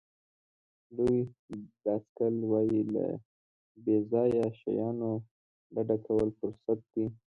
لولي ډاسکل وایي له بې ځایه شیانو ډډه کول فرصت دی.